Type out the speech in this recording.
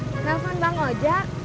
telepon bang ojak